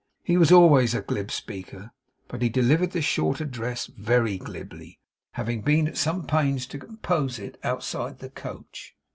He was always a glib speaker, but he delivered this short address very glibly; having been at some pains to compose it outside the coach.